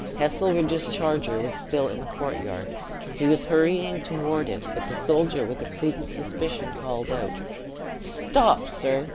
Heselrigge's charger was still in the courtyard; he was hurrying toward it, but the soldier, with a prudent suspicion, called out, "Stop, sir!